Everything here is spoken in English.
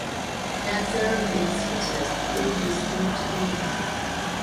"Dance Aerobics" features three distinct modes.